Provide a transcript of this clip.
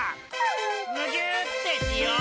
むぎゅーってしよう！